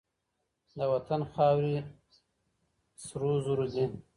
د وطن خاورې سرو زرو دي.